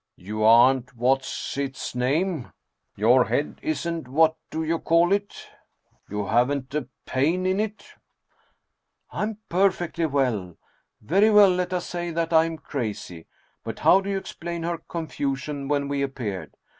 " You aren't what's its name ? Your head isn't what do you call it ? You haven't a pain in it ?"" I am perfectly well ! Very well, let us say that I am crazy ; but how do you explain her confusion when we ap peared?